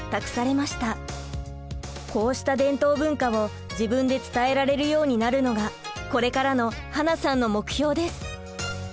こうした伝統文化を自分で伝えられるようになるのがこれからの英さんの目標です！